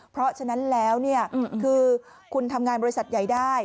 เพราะฉะนั้นแล้วคือคุณทำงานบริษัทใหญ่ได้